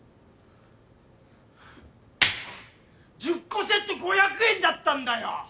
１０個セット５００円だったんだよ！